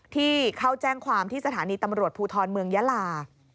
ที่เขาแจ้งความที่สถานีตำรวจภูทรเมืองยาลา